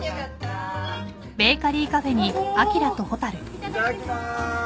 いただきます。